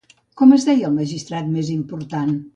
Com es deia el magistrat més important?